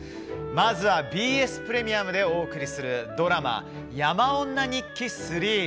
まずは、ＢＳプレミアムでお送りするドラマ「山女日記３」。